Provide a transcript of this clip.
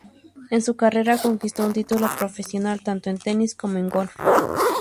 En su carrera conquistó un título profesional tanto en tenis como en golf.